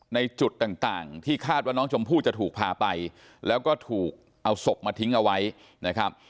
ในจุดต่างที่คาดว่าน้องชมพู่จะถูกพาไปแล้วก็ถูกเอาศพมาทิ้งเอาไว้นะครับ